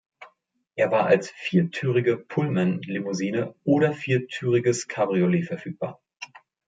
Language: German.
Er war als viertürige Pullman-Limousine oder viertüriges Cabriolet verfügbar.